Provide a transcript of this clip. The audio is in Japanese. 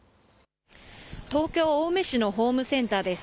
東京青梅市のホームセンターです。